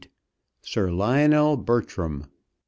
SIR LIONEL BERTRAM.